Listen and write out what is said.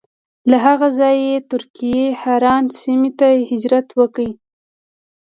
له هغه ځایه یې د ترکیې حران سیمې ته هجرت وکړ.